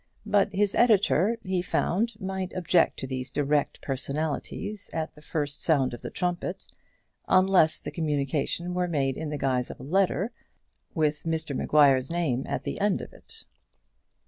But his editor he found might object to these direct personalities at the first sound of the trumpet, unless the communication were made in the guise of a letter, with Mr Maguire's name at the end of it.